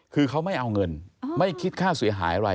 คือเขาไม่เอาเงินไม่คิดค่าเสียหายอะไร